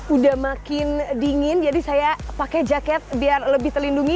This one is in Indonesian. udah makin dingin jadi saya pakai jaket biar lebih terlindungi